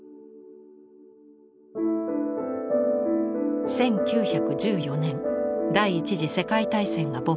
１９１４年第一次世界大戦が勃発。